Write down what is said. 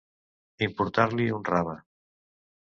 Importar-li un rave.